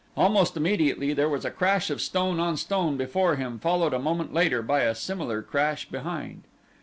Almost immediately there was a crash of stone on stone before him followed a moment later by a similar crash behind.